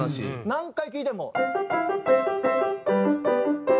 何回聴いても。